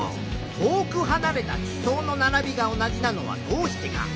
「遠くはなれた地層の並びが同じなのはどうしてか」。